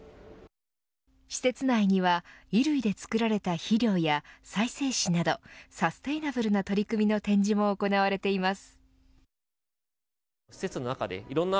施設内には、衣類で作られた肥料や再生紙などサステイナブルな取り組みの展示も行われています。